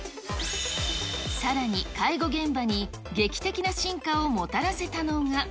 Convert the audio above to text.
さらに、介護現場に劇的な進化をもたらせたのが。